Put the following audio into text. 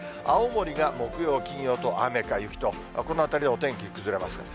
青森が木曜、金曜と雨か雪と、このあたりはお天気崩れます。